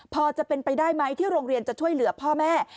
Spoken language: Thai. พอจะเป็นไปได้ไหมที่โรงเรียนจะช่วยเหลือพ่อแม่